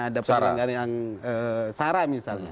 ada penyelenggara yang sara misalnya